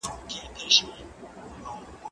دا اوبه له هغه تازه دي؟